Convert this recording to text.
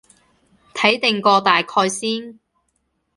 睇定個大概先